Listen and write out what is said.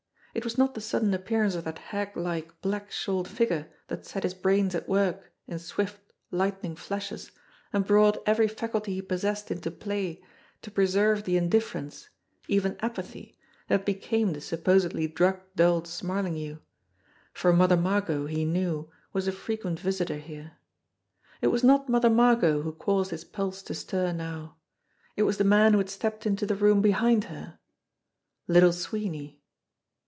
It was not the sud den appearance of that hag like, black shawled figure that set his brains at work in swift, lightning flashes, and brought every faculty he possessed into play to preserve the indif ference, even apathy, that became the supposedly drug dulled Smarlinghue, for Mother Margot, he knew, was a frequent visitor here. It was not Mother Margot who caused his pulse to stir now ; it was the man who had stepped into the room behind her Little Sweeney.